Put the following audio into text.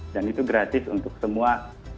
dan itu gratis untuk semua